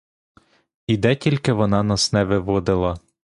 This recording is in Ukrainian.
І де тільки вона нас не виводила!